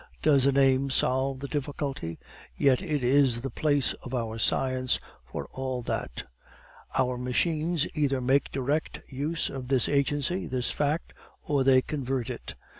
Does a name solve the difficulty? Yet it is the whole of our science for all that. Our machines either make direct use of this agency, this fact, or they convert it.